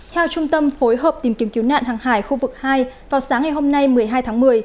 theo trung tâm phối hợp tìm kiếm cứu nạn hàng hải khu vực hai vào sáng ngày hôm nay một mươi hai tháng một mươi